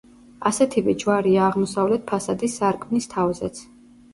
ასეთივე ჯვარია აღმოსავლეთ ფასადის სარკმლის თავზეც.